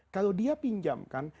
kalau dia pinjamkan